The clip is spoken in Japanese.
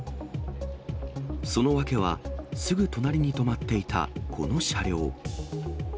その訳は、すぐ隣に止まっていたこの車両。